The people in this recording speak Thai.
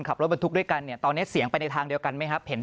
ขับรถบรรทุกด้วยกันเนี่ยตอนนี้เสียงไปในทางเดียวกันไหมครับเห็น